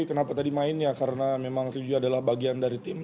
kenapa tadi main ya karena memang ryuji adalah bagian dari tim